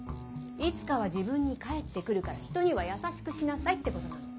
「いつかは自分に返ってくるから人には優しくしなさい」ってことなの。